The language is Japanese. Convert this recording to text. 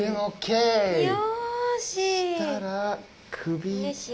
そしたら。